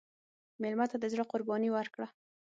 مېلمه ته د زړه قرباني ورکړه.